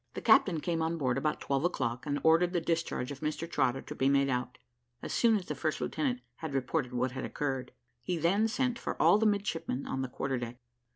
The captain came on board about twelve o'clock, and ordered the discharge of Mr Trotter to be made out, as soon as the first lieutenant had reported what had occurred. He then sent for all the midshipmen on the quarter deck.